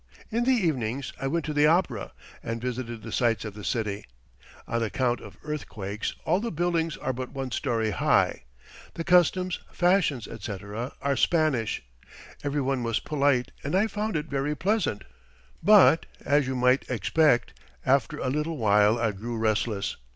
In the evenings I went to the opera, and visited the sights of the city. On account of earthquakes, all the buildings are but one story high. The customs, fashions, etc., are Spanish. Every one was polite and I found it very pleasant; but, as you might expect, after a little while I grew restless.